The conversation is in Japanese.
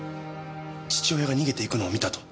父親が逃げていくのを見たと。